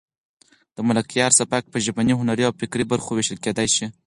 د ملکیار سبک په ژبني، هنري او فکري برخو وېشل کېدای شي.